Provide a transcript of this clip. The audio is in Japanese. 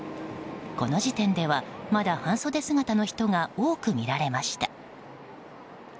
この時点では、まだ半袖姿の人が多く見られました。